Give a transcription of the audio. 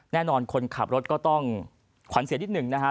แน่นอนคนขับรถก็ต้องขวัญเสียนิดหนึ่งนะฮะ